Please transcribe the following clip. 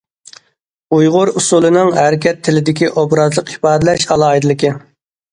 ئۇيغۇر ئۇسسۇلىنىڭ ھەرىكەت تىلىدىكى ئوبرازلىق ئىپادىلەش ئالاھىدىلىكى.